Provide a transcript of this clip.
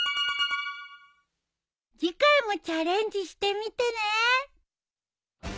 次回もチャレンジしてみてね。